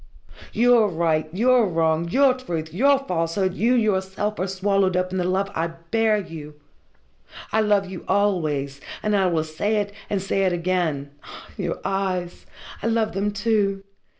Your wrong, your right, your truth, your falsehood, you yourself are swallowed up in the love I bear you! I love you always, and I will say it, and say it again ah, your eyes! I love them, too!